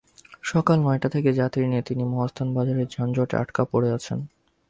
সকাল নয়টা থেকে যাত্রী নিয়ে তিনি মহাস্থান বাজারের যানজটে আটকা পড়ে আছেন।